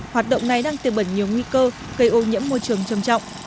hoạt động này đang tiêu bẩn nhiều nguy cơ cây ô nhiễm môi trường trầm trọng